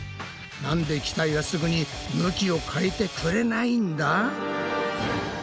なんで機体はすぐに向きを変えてくれないんだ？